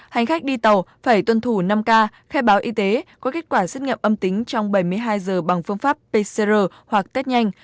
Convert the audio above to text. hành khách đi tàu phải tuân thủ năm k khai báo y tế có kết quả xét nghiệm âm tính trong bảy mươi hai giờ bằng phương pháp pcr hoặc test nhanh